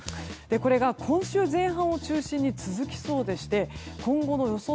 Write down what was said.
これが今週前半を中心に続きそうでして今後の予想